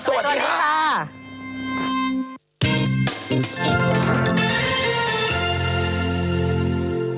สวัสดีครับ